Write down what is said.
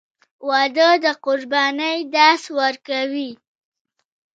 • واده د قربانۍ درس ورکوي.